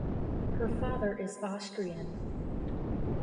Her father is Austrian.